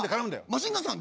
「マシンガンズさん